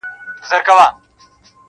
اوس که را هم سي پر څنک رانه تېرېږي,